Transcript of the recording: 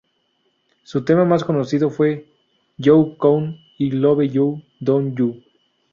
Su tema más conocido fue "You Know I Love You... Don't You?